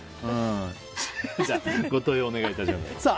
ご投票をお願いします。